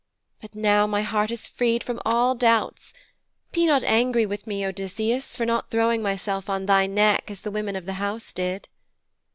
But now my heart is freed from all doubts. Be not angry with me, Odysseus, for not throwing myself on thy neck, as the women of the house did.'